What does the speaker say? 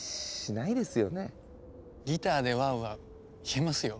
ギターで「ワウワウ」言えますよ。